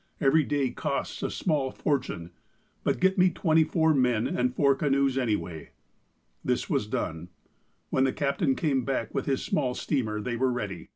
Every day costs a small fortune. But get me twenty four men and four canoes anyway." This was done. When the captain came back with his small steamer, they were ready.